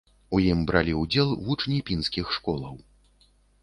У ім бралі ўдзел вучні пінскіх школаў.